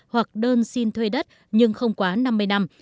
hoặc đơn xin thuê đất nhưng không quá năm mươi năm